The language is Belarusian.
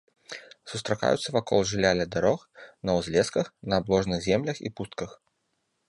Сустракаюцца вакол жылля ля дарог, на ўзлесках, на абложных землях і пустках.